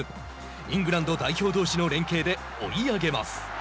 イングランド代表どうしの連係で追い上げます。